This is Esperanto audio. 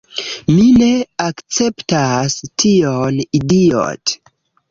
Mi ne akceptas tion, idiot'.